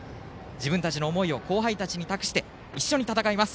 自分たちの思いを後輩たちに託して一緒に戦います。